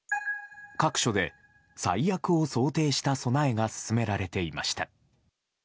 各所で、最悪を想定した備えが進められていました。